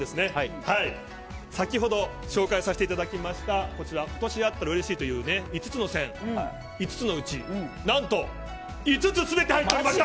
先ほど紹介させていただきました今年あったらうれしいという５つの線５つのうち何と５つ全て入っておりました。